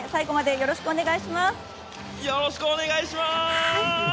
よろしくお願いします！